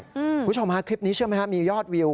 คุณผู้ชมฮะคลิปนี้เชื่อไหมครับมียอดวิว